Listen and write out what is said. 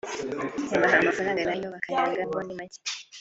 yabaha amafaranga na yo bakayanga ngo ni make